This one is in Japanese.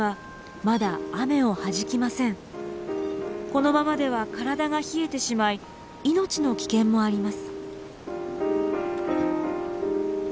このままでは体が冷えてしまい命の危険もあります。